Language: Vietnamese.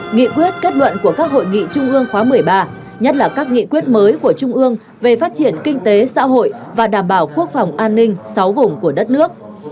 nghị quyết kết luận của các hội nghị trung ương khóa một mươi ba nhất là các nghị quyết mới của trung ương về phát triển kinh tế xã hội và đảm bảo quốc phòng an ninh sáu vùng của đất nước